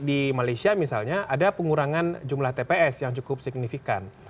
jadi di malaysia misalnya ada pengurangan jumlah tps yang cukup signifikan